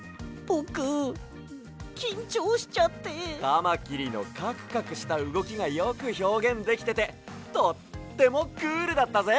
カマキリのカクカクしたうごきがよくひょうげんできててとってもクールだったぜ！